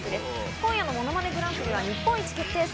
今夜の『ものまねグランプリ』は日本一決定戦。